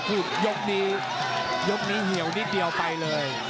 คู่นี้เหี่ยวนิดเดียวไปเลย